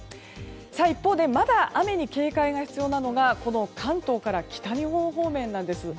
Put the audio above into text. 一方でまだ雨に警戒が必要なのが関東から北日本方面なんです。